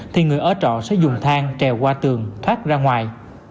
thì người ở trọ sẽ dùng thang trèo qua tường thoát ra ngoài